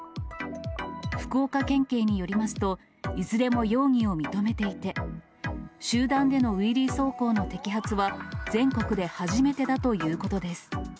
福岡県警によりますと、いずれも容疑を認めていて、集団でのウィリー走行の摘発は、全国で初めてだということです。